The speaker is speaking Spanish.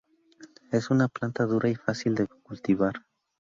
Es una planta dura y fácil de cultivar.